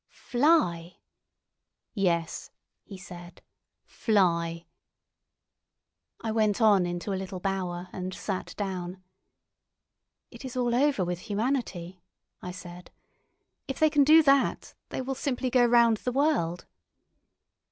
"Fly!" "Yes," he said, "fly." I went on into a little bower, and sat down. "It is all over with humanity," I said. "If they can do that they will simply go round the world."